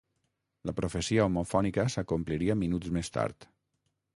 La profecia homofònica s'acompliria minuts més tard.